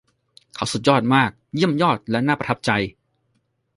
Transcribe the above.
เขาสุดยอดมาก เยี่ยมยอดและน่าประทับใจ